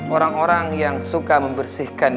orang orang yang suka membersihkan